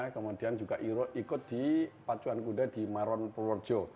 kemudian juga ikut di pacuan kuda di maron purworejo